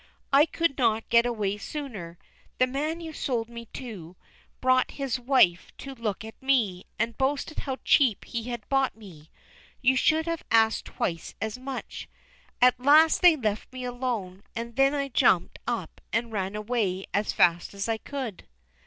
"I could not get away sooner. The man you sold me to, brought his wife to look at me, and boasted how cheap he had bought me. You should have asked twice as much. At last they left me alone, and then I jumped up and ran away as fast as I could."